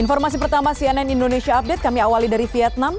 informasi pertama cnn indonesia update kami awali dari vietnam